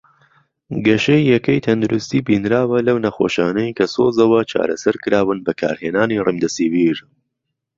گەشەی یەکەی تەندروستی بینراوە لەو نەخۆشانەی کە سۆزەوە چارەسەر کراون بە کارهێنانی ڕیمدەسیڤیر.